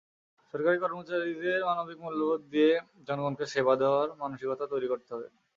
সরকারি কর্মচারীদের মানবিক মূল্যবোধ দিয়ে জনগণকে সেবা দেওয়ার মানসিকতা তৈরি করতে হবে।